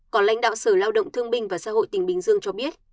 còn lãnh đạo sở lao động thương binh và xã hội tỉnh bình dương cho biết